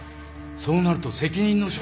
そうなると責任の所在が。